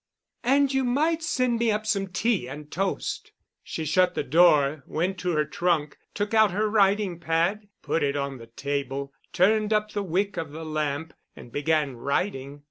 "And you might send me up some tea and toast." She shut the door, went to her trunk, took out her writing pad, put it on the table, turned up the wick of the lamp, and began writing.